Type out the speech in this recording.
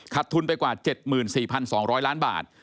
ทุนไปกว่า๗๔๒๐๐ล้านบาท